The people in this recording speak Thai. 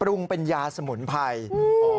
ปรุงเป็นยาสมุนไพร